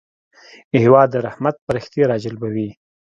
هېواد د رحمت پرښتې راجلبوي.